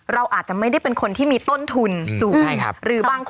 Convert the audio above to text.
เราอาจจะไม่ได้เป็นคนที่มีต้นทุนสูง